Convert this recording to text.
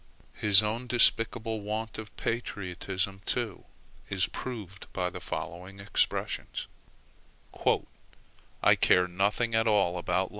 His own despicable want of patriotism too is proved by the following expressions: "I care nothing at all about L.